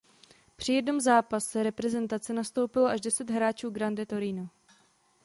Při jednom zápase reprezentace nastoupilo až deset hráčů "Grande Torino".